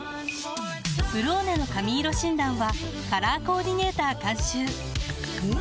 「ブローネ」の髪色診断はカラーコーディネーター監修おっ！